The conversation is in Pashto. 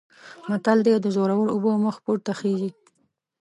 متل دی: د زورو اوبه مخ پورته خیژي.